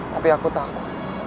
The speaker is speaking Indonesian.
tapi aku tahu